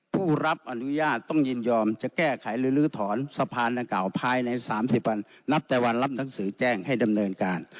ผู้รับอนุญาตต้องยินยอมจะแก้ไขหรือลื้อถอนสะพานดังกล่าวภายใน๓๐วันนับแต่วันรับหนังสือแจ้งให้ดำเนินการ